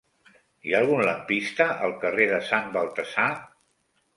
Hi ha algun lampista al carrer de Sant Baltasar?